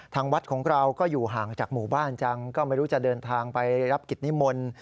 ทางวัดของเราก็อยู่ห่างจากหมู่บ้านจังก็ไม่รู้จะเดินทางไปรับกิจนิมนต์